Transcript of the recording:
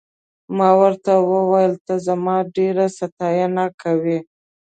ما ورته وویل ته زما ډېره ستاینه کوې.